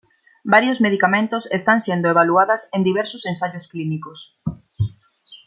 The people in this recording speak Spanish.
Varios medicamentos están siendo evaluadas en diversos ensayos clínicos.